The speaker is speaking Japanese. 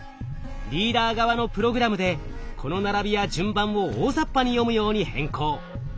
リーダー側のプログラムでこの並びや順番を大ざっぱに読むように変更。